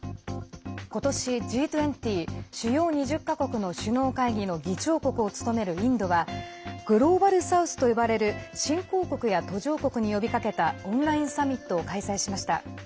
今年、Ｇ２０＝主要２０か国の首脳会議の議長国を務めるインドはグローバル・サウスと呼ばれる新興国や途上国に呼びかけたオンラインサミットを開催しました。